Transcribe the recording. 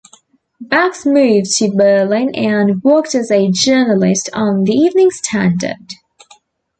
Bax moved to Berlin and worked as a journalist on the "Evening Standard".